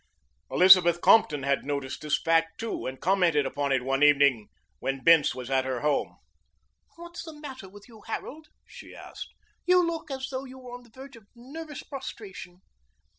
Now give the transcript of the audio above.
Elizabeth Compton had noticed this fact, too, and commented upon it one evening when Bince was at her home. "What's the matter with you, Harold?" she asked. "You look as though you are on the verge of nervous prostration."